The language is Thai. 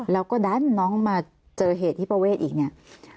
แล้วก็ดันน้องมาเจอเหตุที่ประเวทอีกเนี่ย